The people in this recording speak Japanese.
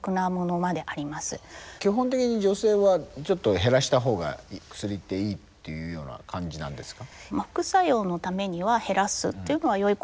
基本的に女性はちょっと減らした方が薬っていいっていうような感じなんですか？